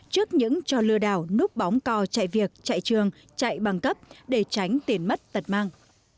trước những cho lừa đảo núp bóng co chạy việc chạy trường chạy bằng cấp để tránh tiền mất tật mang